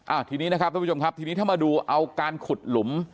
ทีนี้นะครับท่านผู้ชมครับทีนี้ถ้ามาดูเอาการขุดหลุม